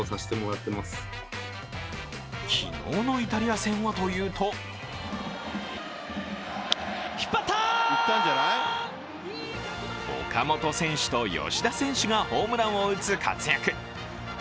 昨日のイタリア戦はというと岡本選手と吉田選手がホームランを打つ活躍。